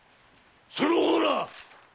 その方ら！